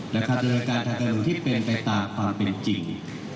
และการโดยการทางการเหลือที่เป็นไปตามความเป็นจริง